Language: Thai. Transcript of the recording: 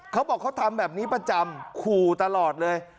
เขาบอกเขาทำแบบนี้ประจำขู่ตลอดเลย